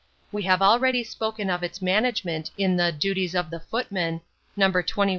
We have already spoken of its management in the "Duties of the Footman," No.